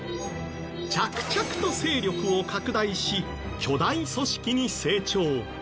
着々と勢力を拡大し巨大組織に成長。